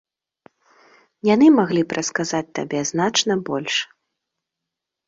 Яны маглі б расказаць табе значна больш.